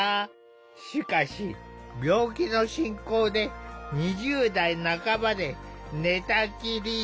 しかし病気の進行で２０代半ばで寝たきりに。